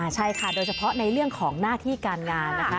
ใช่ค่ะโดยเฉพาะในเรื่องของหน้าที่การงานนะคะ